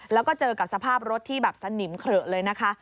แล้วก็เจอกับสภาพรถที่แบบสนิมเขละเลยนะคะ